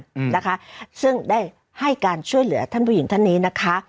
อืมนะคะซึ่งได้ให้การช่วยเหลือท่านผู้หญิงท่านนี้นะคะ